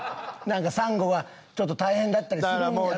なんかサンゴが、ちょっと大変だったりするんやろう。